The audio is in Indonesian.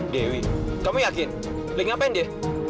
dewi kamu yakin lagi ngapain dia